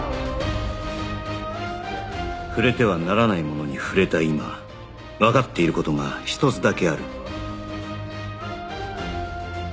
触れてはならないものに触れた今わかっている事が一つだけある